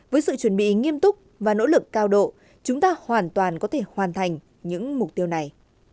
với sự chuẩn bị nghiêm túc và nỗ lực cao độ chúng ta hoàn toàn có thể hoàn thành những mục tiêu này